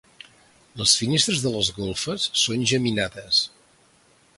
Les finestres de les golfes són geminades.